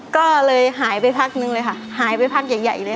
ก็เลยหายไปพักนึงเลยค่ะหายไปพักใหญ่ใหญ่เลย